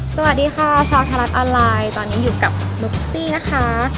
สวัสดีค่ะชาวไทยรัฐออนไลน์ตอนนี้อยู่กับนุ๊กซี่นะคะ